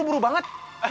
bu buru banget